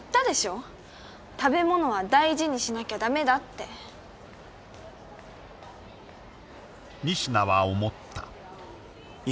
食べ物は大事にしなきゃダメだって仁科は思った